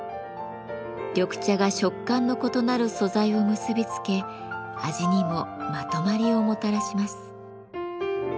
緑茶が食感の異なる素材を結びつけ味にもまとまりをもたらします。